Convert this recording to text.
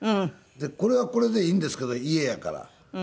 これはこれでいいんですけど家やからねえ。